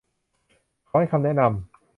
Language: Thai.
เขาให้คำแนะนำ